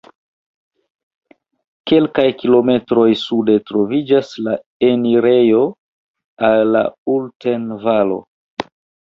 Kelkaj kilometroj sude troviĝas la enirejo al la Ulten-Valo.